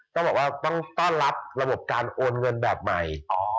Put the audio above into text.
ต้องบอกว่าต้องต้อนรับระบบการโอนเงินแบบใหม่